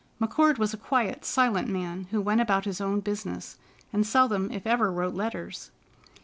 McCord was a quiet, silent man, who went about his own business, and seldom, if ever, wrote letters.